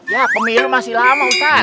ya pemilu masih lama kan